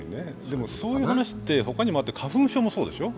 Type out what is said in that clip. そういう話ってほかにもあって、花粉症もそうでしょう？